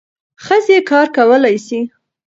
ښځې کار کولای سي.